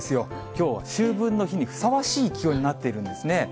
きょうは秋分の日にふさわしい気温になっているんですね。